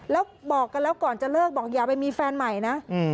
แล้วบอกกันแล้วก่อนจะเลิกบอกอย่าไปมีแฟนใหม่นะ